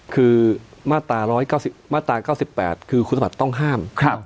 คือมาตรา๙๘คือคุณสมบัติต้องห้าม